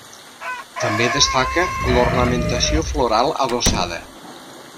També destaca l'ornamentació floral adossada.